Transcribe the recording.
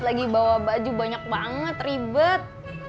lagi bawa baju banyak banget ribet